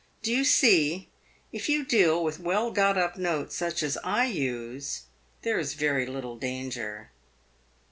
Do you see, if you deal with well got up notes such as I use, there is very little danger."